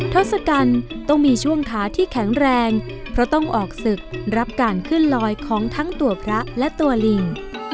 ทศกัณฐ์ต้องมีช่วงขาที่แข็งแรงเพราะต้องออกศึกรับการขึ้นลอยของทั้งตัวพระและตัวลิง